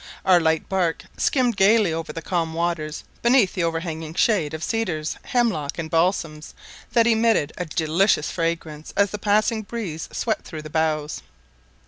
Our light bark skimmed gaily over the calm waters, beneath the overhanging shade of cedars, hemlock, and balsams, that emitted a delicious fragrance as the passing breeze swept through the boughs.